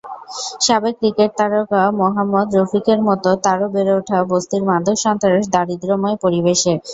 সাবেক ক্রিকেট তারকা মোহাম্মদ রফিকের মতো তাঁরও বেড়ে ওঠা বস্তির মাদক-সন্ত্রাস-দারিদ্র্যময় পরিবেশে।